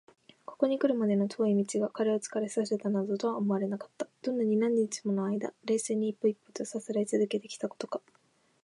ここにくるまでの遠い道が彼を疲れさせたなどとは思われなかった。どんなに何日ものあいだ、冷静に一歩一歩とさすらいつづけてきたことか！